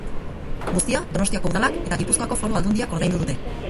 Guztia Donostiako Udalak eta Gipuzkoako Foru Aldundiak ordaindu dute.